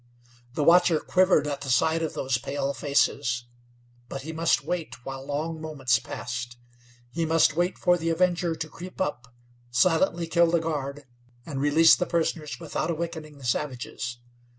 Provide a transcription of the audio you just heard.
The watcher quivered at the sight of those pale faces; but he must wait while long moments passed. He must wait for the Avenger to creep up, silently kill the guard, and release the prisoners without awakening the savages.